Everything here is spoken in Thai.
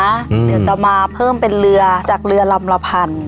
เดี๋ยวจะมาเพิ่มเป็นเรือจากเรือลำละพัน